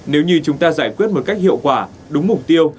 nếu như chúng ta giải quyết một cách hiệu quả đúng mục tiêu